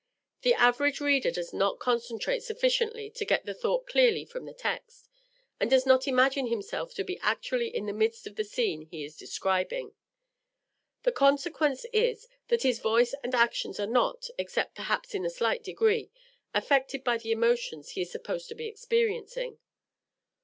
The average reader does not concentrate sufficiently to get the thought clearly from the text, and does not imagine himself to be actually in the midst of the scene he is describing. The consequence is that his voice and actions are not, except perhaps in a slight degree, affected by the emotions he is supposed to be experiencing.